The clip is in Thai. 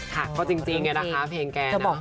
ค่ะก็จริงเนี่ยนะคะเพลงแก